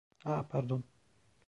Ah, pardon.